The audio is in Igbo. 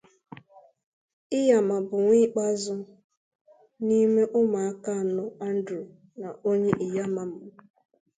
Iyamah bụ nwa ikpeazụ n’ime ụmụaka anọ Andrew na Onyi Iyamah mụrụ.